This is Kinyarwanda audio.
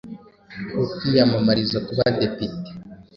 ku kwiyamamariza kuba depite